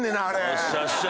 よっしゃよっしゃ。